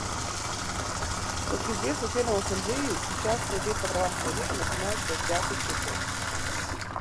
Как известно членам Ассамблеи, сейчас Совет по правам человека начинает свой пятый цикл.